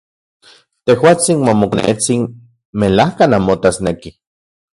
Tejuatsin uan mokonetsin melajka nanmotasnekij.